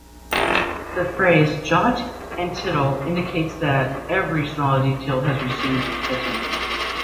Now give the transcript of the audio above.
The phrase "jot and tittle" indicates that every small detail has received attention.